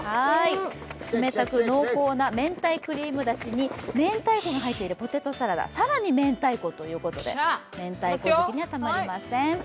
冷たく濃厚な明太クリームだしに明太子が入っているポテトサラダ、更に明太子ということで明太子好きにはたまりません。